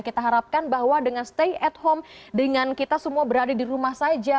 kita harapkan bahwa dengan stay at home dengan kita semua berada di rumah saja